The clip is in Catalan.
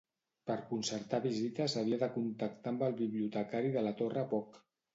Per concertar visita s'havia de contactar amb el bibliotecari de la Torre Bok.